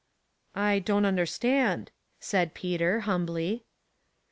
" I don't understand," said Peter, humbly.